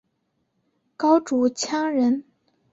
高阇羌人。